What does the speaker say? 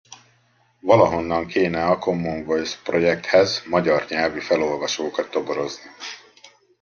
Valahonnan kéne a Common Voice projekthez magyar nyelvű felolvasókat toborozni.